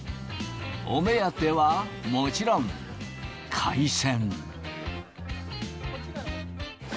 お目当てはもちろん、海鮮。